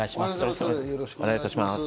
よろしくお願いします。